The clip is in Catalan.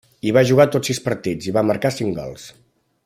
Hi va jugar tots sis partits, i va marcar cinc gols.